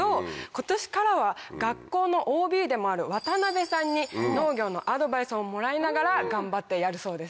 今年からは学校のＯＢでもある渡さんに農業のアドバイスをもらいながら頑張ってやるそうです。